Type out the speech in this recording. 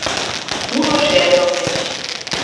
Муро шергылтеш: